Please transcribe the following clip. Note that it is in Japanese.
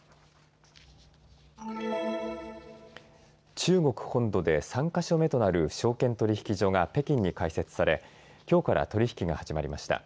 中国本土で３か所目となる証券取引所が北京に開設されきょうから取り引きが始まりました。